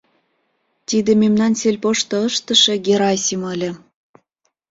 Тиде мемнан сельпошто ыштыше Герасим ыле.